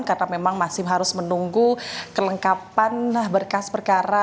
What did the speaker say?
karena memang masih harus menunggu kelengkapan berkas perkara